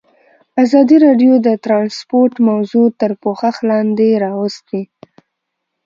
ازادي راډیو د ترانسپورټ موضوع تر پوښښ لاندې راوستې.